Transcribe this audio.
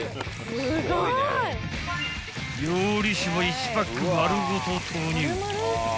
［料理酒も１パック丸ごと投入］